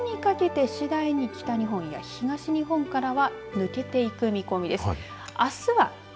ただ、この寒気ですがあすにかけて次第に北日本や東日本からは抜けていく見込みです。